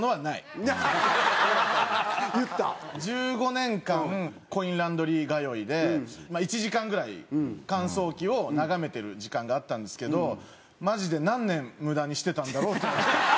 １５年間コインランドリー通いで１時間ぐらい乾燥機を眺めてる時間があったんですけどマジで何年無駄にしてたんだろうと。